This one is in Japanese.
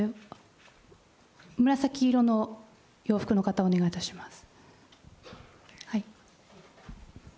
紫色の洋服の方、お願いいたします。